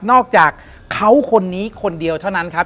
อกจากเขาคนนี้คนเดียวเท่านั้นครับ